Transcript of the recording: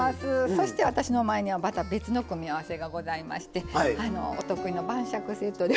そして私の前にはまた別の組み合わせがございましてお得意の晩酌セットで。